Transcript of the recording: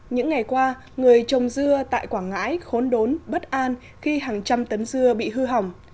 những ngày qua người trồng dưa tại quảng ngãi khốn đốn bất an khi hàng trăm tấn dưa bị hư hỏng